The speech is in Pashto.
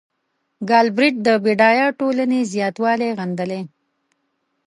ګالبرېټ د بډایه ټولنې زیاتوالی غندلی.